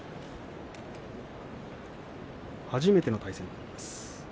初めての対戦です。